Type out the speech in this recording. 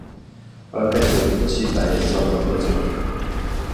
而该手机版也遭到了破解。